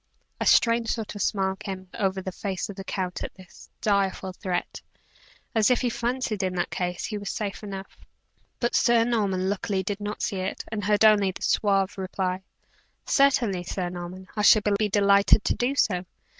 A strange sort of smile came over the face of the count at this direful threat, as if he fancied in that case, he was safe enough; but Sir Norman, luckily, did not see it, and heard only the suave reply: "Certainly, Sir Norman; I shall be delighted to do so.